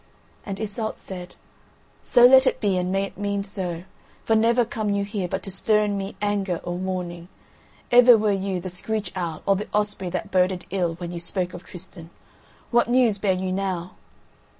And Iseult said: "So let it be and may it mean so; for never come you here but to stir in me anger or mourning. Ever were you the screech owl or the Osprey that boded ill when you spoke of Tristan; what news bear you now?"